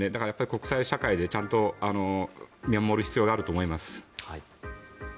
国際社会でちゃんと見守る必要があると思います。